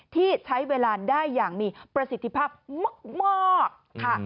ที่ใช้เวลาได้อย่างมีประสิทธิภาพมากค่ะ